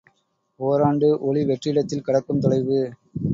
ஓராண்டு ஒளி வெற்றிடத்தில் கடக்கும் தொலைவு.